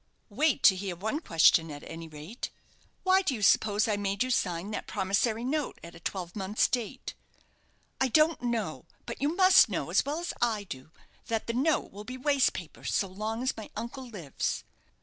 "Wait to hear one question, at any rate. Why do you suppose I made you sign that promissory note at a twelvemonth's date?" "I don't know; but you must know, as well as I do, that the note will be waste paper so long as my uncle lives."